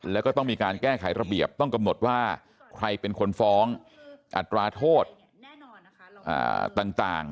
แล้วก็ต้องมีการแก้ไขระเบียบต้องกำหนดว่าใครเป็นคนฟ้องอัตราโทษต่าง